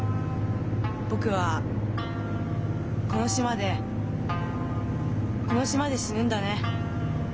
僕はこの島でこの島で死ぬんだね。